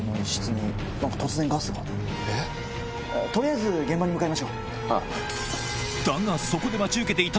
取りあえず現場に向かいましょ。